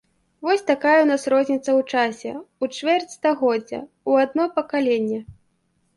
Вось такая ў нас розніца ў часе, у чвэрць стагоддзя, у адно пакаленне.